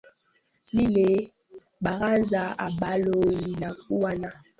lile baraza ambalo linakuwa na